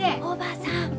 おばさん！